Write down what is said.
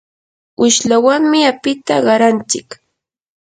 wishlawanmi apita qarantsik.